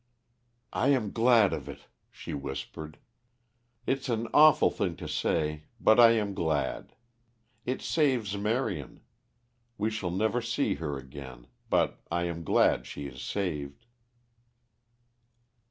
"I am glad of it," she whispered; "it's an awful thing to say, but I am glad. It saves Marion. We shall never see her again; but I am glad she is saved."